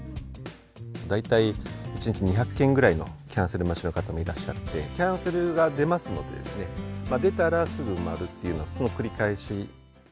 大体、１日２００件ぐらいのキャンセル待ちの方もいらっしゃって、キャンセルが出ますのでですね、出たらすぐ埋まるっていうような、この繰り返し。